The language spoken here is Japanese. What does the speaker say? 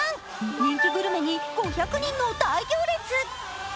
人気グルメに５００人の大行列。